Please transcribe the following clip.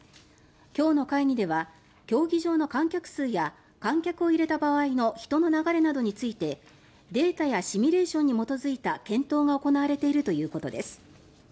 今日の会議では競技場の観客数や観客を入れた場合の人の流れについてデータやシミュレーションに基づいた検討が行われているということです。